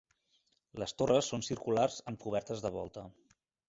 Les torres són circulars amb cobertes de volta.